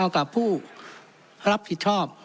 กับผู้รับผิดชอบ